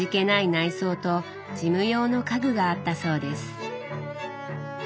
内装と事務用の家具があったそうです。